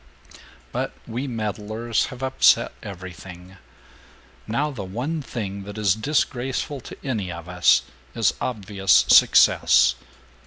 But we meddlers have upset everything. Now the one thing that is disgraceful to any of us is obvious success.